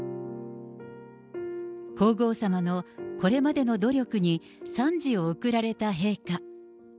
皇后さまのこれまでの努力に、賛辞を贈られた陛下。